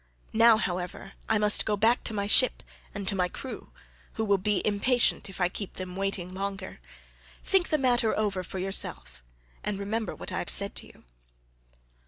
Now, however, I must go back to my ship and to my crew, who will be impatient if I keep them waiting longer; think the matter over for yourself, and remember what I have said to you."